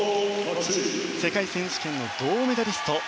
世界選手権の銅メダリスト。